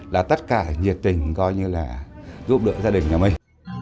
là tất cả nhiệt tình coi như là giúp đỡ gia đình nhà mình